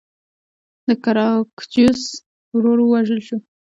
د ګراکچوس ورور ووژل شو.